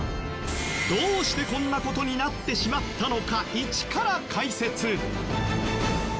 どうしてこんなことになってしまったのか一から解説。